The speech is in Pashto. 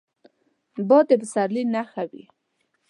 باد د پسرلي نښه وي